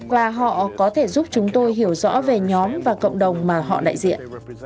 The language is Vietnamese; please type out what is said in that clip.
và họ có thể giúp chúng tôi hiểu rõ về nhóm và cộng đồng mà họ đại diện